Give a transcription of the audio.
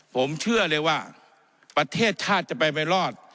ผมเชื่อเลยว่าประเทศชาติจะไปไม่รอด